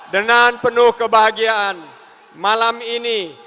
dengan penuh kebahagiaan malam ini